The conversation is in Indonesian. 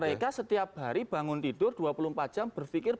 mereka setiap hari bangun tidur dua puluh empat jam berpikir